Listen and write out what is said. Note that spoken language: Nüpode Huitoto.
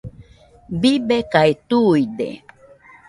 Bibekae tuide.